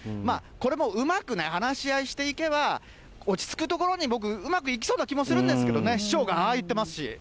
これもうまくね、話し合いしていけば、落ち着くところに僕、うまくいきそうな気もするんですけどね、市長がああ言ってますし。